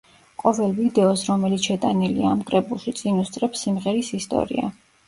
ყოველ ვიდეოს, რომელიც შეტანილია ამ კრებულში, წინ უსწრებს სიმღერის ისტორია.